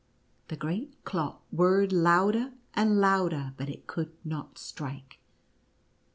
The great clock whir — red louder and louder, but it could not strike.